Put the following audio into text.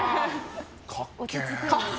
かっけえ。